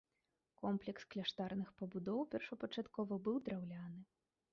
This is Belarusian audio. Комплекс кляштарных пабудоў першапачаткова быў драўляны.